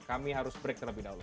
kami harus break terlebih dahulu